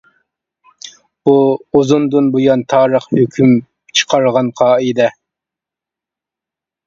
بۇ ئۇزۇندىن بۇيان تارىخ ھۆكۈم چىقارغان قائىدە.